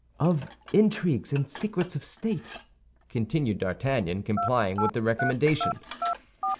"—of intrigues and secrets of state," continued D'Artagnan, complying with the recommendation.